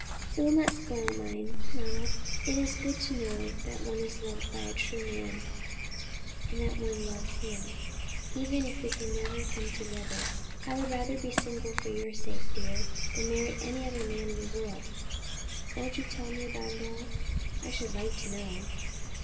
"It will not spoil mine, Ronald; it is good to know that one is loved by a true man, and that one loves him, even if we can never come together. I would rather be single for your sake, dear, than marry any other man in the world. Won't you tell me about it all? I should like to know."